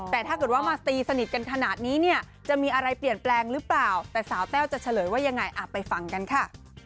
แต่ถ้าเกิดว่ามาตีสนิทกันขนาดนี้เนี่ยจะมีอะไรเปลี่ยนแปลงหรือเปล่าแต่สาวแต้วจะเฉลยว่ายังไงไปฟังกันค่ะ